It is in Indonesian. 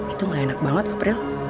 itu gak enak banget april